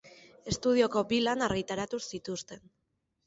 Estudioko bi lan argitaratu zituzten.